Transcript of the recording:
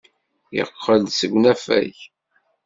Yeqqel-d seg unafag.